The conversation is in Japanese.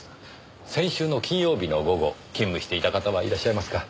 先週の金曜日の午後勤務していた方はいらっしゃいますか？